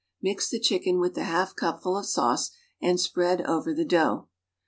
Mix the chicken with the half cupful of sauce and spread over the dough.